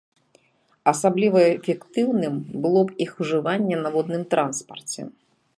Асабліва эфектыўным было б іх ужыванне на водным транспарце.